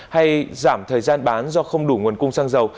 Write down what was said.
hay giảm thời gian bán do không đủ nguồn cung xăng dầu